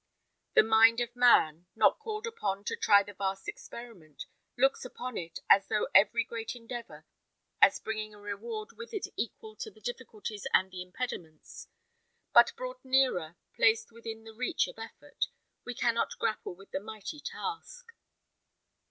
The mind of man, not called upon to try the vast experiment, looks upon it, as upon every great endeavour, as bringing a reward with it equal to the difficulties and the impediments; but brought nearer, placed within the reach of effort, we cannot grapple with the mighty task.